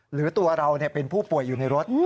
หรือตัวเราเป็นผู้ป่วยอยู่ในรถ